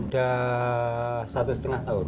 sudah satu setengah tahun